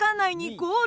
ゴール！